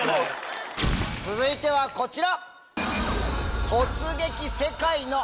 続いてはこちら！